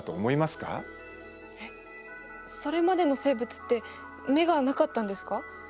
それまでの生物って眼がなかったんですか？